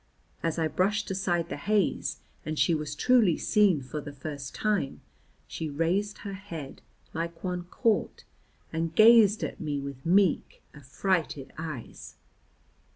As I brushed aside the haze and she was truly seen for the first time, she raised her head, like one caught, and gazed at me with meek affrighted eyes.